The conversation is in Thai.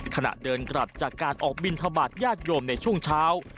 ขณะเดินกลับจากการออกบินทบาทญาติโยมในช่วงเช้า